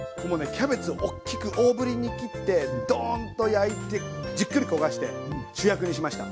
キャベツおっきく大ぶりに切ってドーンと焼いてじっくり焦がして主役にしました。